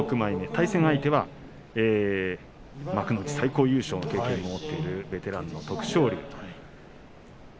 対戦相手は幕内最高優勝の経験も持っているベテランの徳勝龍。